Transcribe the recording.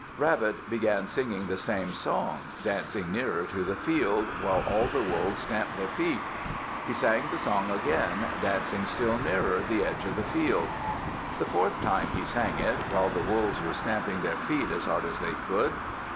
Rabbit began singing the same song, dancing nearer to the field, while all the Wolves stamped their feet. He sang the song again, dancing still nearer the edge of the field. The fourth time he sang it, while the Wolves were stamping their feet as hard as they could.